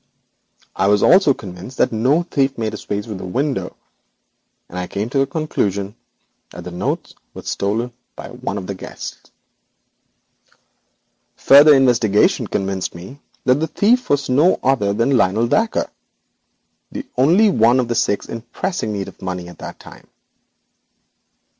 I became certain no thief had made his way through the window, and finally I arrived at the conclusion that the notes were stolen by one of the guests. Further investigation convinced me that the thief was no other than Lionel Dacre, the only one of the six in pressing need of money at this time.